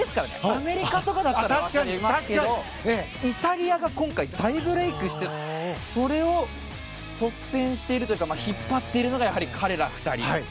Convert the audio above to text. アメリカとかだったらありますけどイタリアが今回大ブレークしてそれを率先しているというか引っ張っているのがやはり彼ら２人。